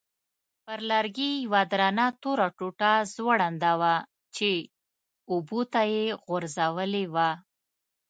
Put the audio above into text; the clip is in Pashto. پر لرګي یوه درنه توره ټوټه ځوړنده وه چې اوبو ته یې غورځولې وه.